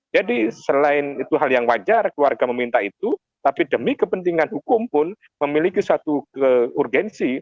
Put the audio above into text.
jadi selain itu hal yang wajar keluarga meminta itu tapi demi kepentingan hukum pun memiliki satu keurgensi